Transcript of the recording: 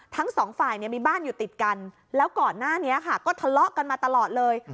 ทั้งสองฝ่ายเนี่ยมีบ้านอยู่ติดกันแล้วก่อนหน้านี้ค่ะก็ทะเลาะกันมาตลอดเลย